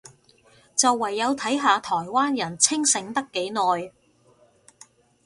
就唯有睇下台灣人清醒得幾耐